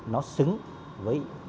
nó xứng với